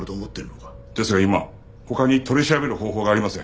ですが今他に取り調べる方法がありません。